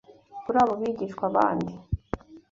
Kuri abo bigishwa bandi